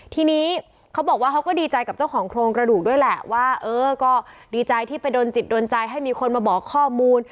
ทีนี้เขาบอกว่าเขาก็ดีใจกับเจ้าของโครงกระดูกด้วยแหละว่าเออก็ดีใจที่ไปโดนจิตโดนใจให้มีคนมาบอกข้อมูล